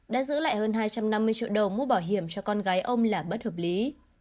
đã giữ lại hơn hai trăm năm mươi triệu đồng mua bảo hiểm cho con gái ông là bất hợp lý